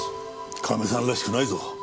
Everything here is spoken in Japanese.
カメさんらしくないぞ。